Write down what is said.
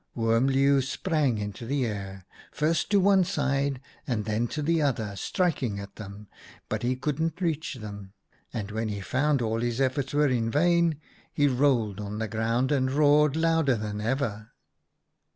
" Oom Leeuw sprang into the air, first to one side and then to the other, striking at them, but he couldn't reach them, and when he found all his efforts were in vain, he rolled on the ground and roared louder than ever.